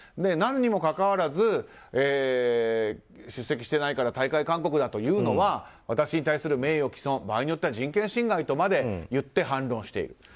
なのにかかわらず出席していないから退会勧告だというのは私に対する名誉毀損場合によっては人権侵害とまで言って反論している。